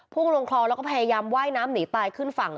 ลงคลองแล้วก็พยายามไหว้น้ำหนีตายขึ้นฝั่ง